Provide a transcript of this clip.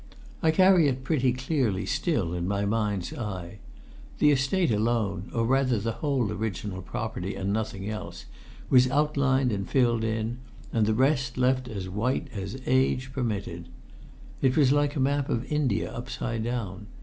I carry it pretty clearly still in my mind's eye. The Estate alone, or rather the whole original property and nothing else, was outlined and filled in, and the rest left as white as age permitted. It was like a map of India upside down.